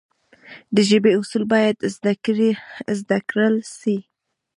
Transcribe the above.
د ژبي اصول باید زده کړل سي.